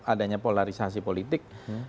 adanya polarisasi politik